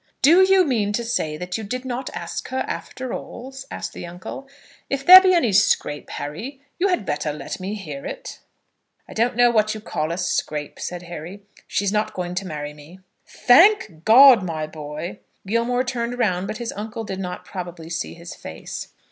"Do you mean to say that you did not ask her, after all?" asked the uncle. "If there be any scrape, Harry, you had better let me hear it." "I don't know what you call a scrape," said Harry. "She's not going to marry me." "Thank God, my boy!" Gilmore turned round, but his uncle did not probably see his face.